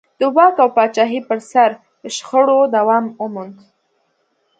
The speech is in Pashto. د واک او پاچاهۍ پر سر شخړو دوام وموند.